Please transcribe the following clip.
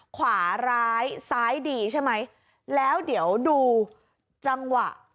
ขวาร้ายซ้ายดีใช่ไหมแล้วเดี๋ยวดูจังหวะ